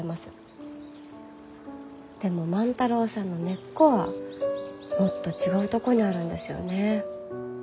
でも万太郎さんの根っこはもっと違うとこにあるんですよね。